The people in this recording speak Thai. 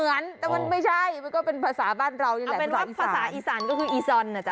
เอาเป็นว่าภาษาอีสานก็คืออีซอนนะจ๊ะ